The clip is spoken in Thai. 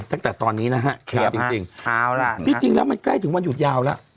ตั้งแต่ตอนนี้นะครับจริงจริงแล้วมันใกล้ถึงวันหยุดยาวแล้ว